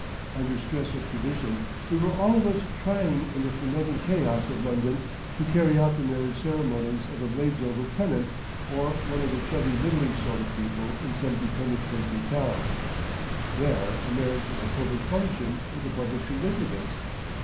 Under stress of tradition we were all of us trying in the fermenting chaos of London to carry out the marriage ceremonies of a Bladesover tenant or one of the chubby middling sort of people in some dependent country town. There a marriage is a public function with a public significance.